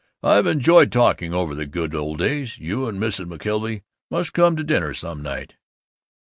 I've enjoyed talking over the good old days. You and Mrs. McKelvey must come to dinner some night."